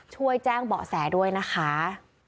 ช่วยแจ้งเบาะแสด้วยนะคะ